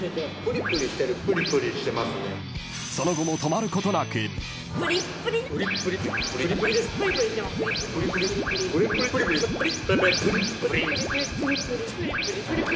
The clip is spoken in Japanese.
［その後も止まることなく］プリプリ。